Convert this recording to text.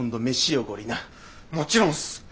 もちろんっす。